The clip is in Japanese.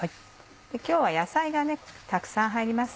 今日は野菜がたくさん入ります。